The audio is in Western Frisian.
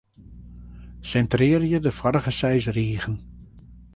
Sintrearje de foarige seis rigen.